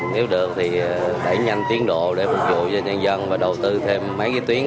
nếu được thì đẩy nhanh tiến độ để phục vụ cho nhân dân và đầu tư thêm mấy cái tuyến